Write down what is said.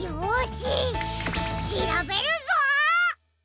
しらべるぞっ！